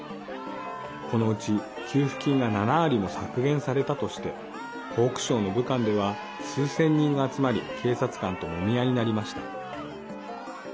このうち給付金が７割も削減されたとして湖北省の武漢では数千人が集まり警察官ともみ合いになりました。